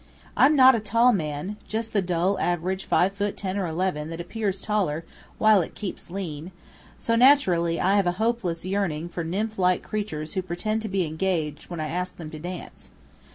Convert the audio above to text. I'm not a tall man: just the dull average five foot ten or eleven that appears taller, while it keeps lean so naturally I have a hopeless yearning for nymph like creatures who pretend to be engaged when I ask them to dance.